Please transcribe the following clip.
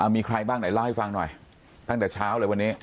มีใครบ้างไหนเล่าให้ฟังหน่อยตั้งแต่เช้าเลยวันนี้